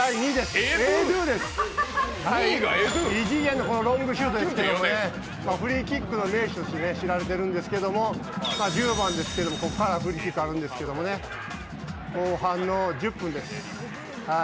異次元のロングシュートですけどフリーキックの名手として知られてるんですけど１０番ですけれども、ここからフリーキックあるんですけどね、後半の１０分です。